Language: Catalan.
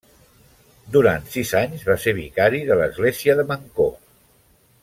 Durant sis anys va ser vicari de l'església de Mancor.